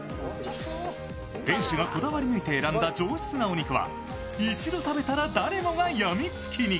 店主がこだわり抜いて選んだ上質なお肉は一度食べたら誰もが病みつきに。